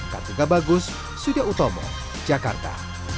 kartu gagus sudia utomo jakarta